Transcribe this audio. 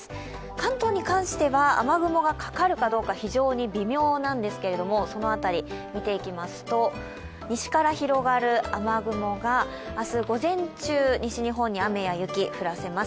関東に関しては雨雲がかかるかどうか非常に微妙なんですけれども、その辺り、見ていきますと、西から広がる雨雲が明日午前中、西日本に雨や雪を降らせます。